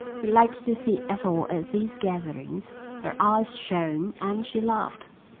He liked to see Ethel at these gatherings. Her eyes shone and she laughed.